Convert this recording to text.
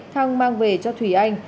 thăng mang về cho thùy anh